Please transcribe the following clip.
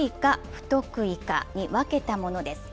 不得意かに分けたものです。